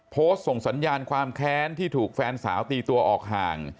ส่งสัญญาณความแค้นที่ถูกแฟนสาวตีตัวออกห่าง